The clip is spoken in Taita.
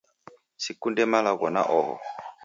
Sikunde malagho na oho